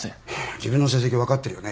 自分の成績分かってるよね？